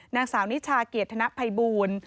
นางสาวนิชาเกียรติธนภัยบูล